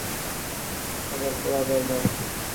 مګر هوا ګرمه وه.